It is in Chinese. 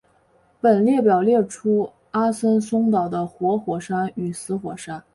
本列表列出阿森松岛的活火山与死火山。